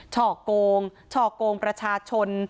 ฉอกโกงฉอกโกงประชาชน